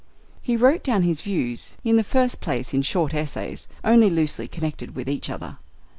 He wrote down his views, in the first place, in short essays, only loosely connected with each other.